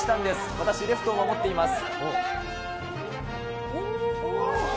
私、レフトを守っています。